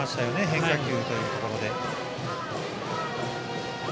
変化球というところで。